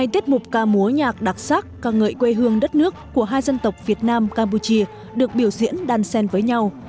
hai mươi tiết mục ca múa nhạc đặc sắc ca ngợi quê hương đất nước của hai dân tộc việt nam campuchia được biểu diễn đàn sen với nhau